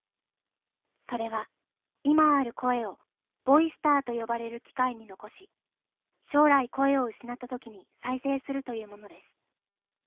それは今ある声を「ボイスター」と呼ばれる機械に残し将来声を失った時に再生するというものです